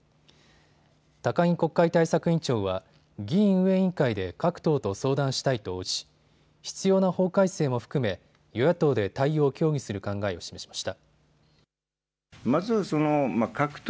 高木国会対策委員長は議院運営委員会で各党と相談したいと応じ、必要な法改正も含め与野党で対応を協議する考えを示しました。